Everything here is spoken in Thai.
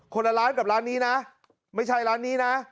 คนละร้านกับร้านนี้นะไม่ใช่ร้านนี้นะ